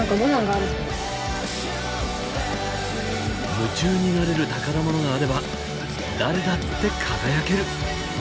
夢中になれる宝物があれば誰だって輝ける！